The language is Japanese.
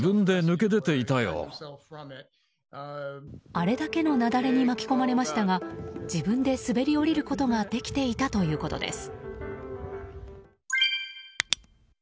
あれだけの雪崩に巻き込まれましたが自分で滑り降りることができていたということです。